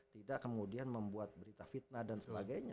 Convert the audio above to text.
tidak kemudian membuat berita fitnah dan sebagainya